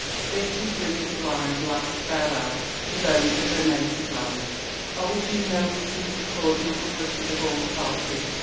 This wp Lucy ^ligh's last farewell to those of her native land. Old Juno received the cordial good wishes of all the party.